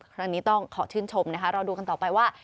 ครั้งนี้ต้องขอชื่นชมนะคะเราดูกันต่อไปว่า